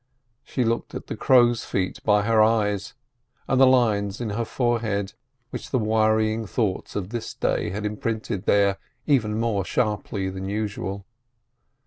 She looked at the crow's feet by her eyes, and the lines in her forehead, which the worrying thoughts of this day had imprinted there even more sharply than usual.